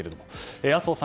麻生さん